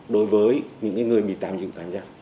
đối với những người bị tạm dựng cảnh giác